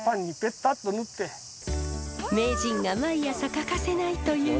名人が毎朝欠かせないという。